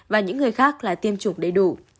và những người khác là tiêm chủng đầy đủ